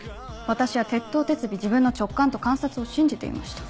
私は徹頭徹尾自分の直感と観察を信じていました。